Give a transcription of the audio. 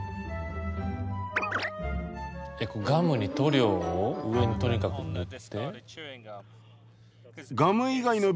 ガムに塗料を上にとにかく塗って。